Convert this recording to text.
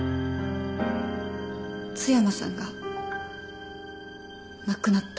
津山さんが亡くなった。